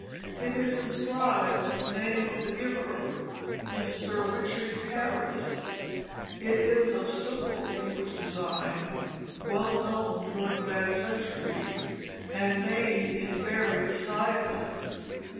It is inscribed with the name of the giver, Mr. Richard Harris. It is of simple English design well known during that century, and made in various sizes.